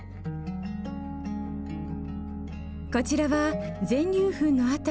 こちらは全粒粉のアタ。